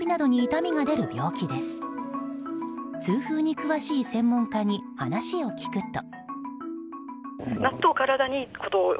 痛風に詳しい専門家に話を聞くと。